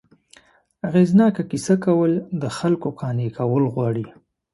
اغېزناکه کیسه کول، د خلکو قانع کول غواړي.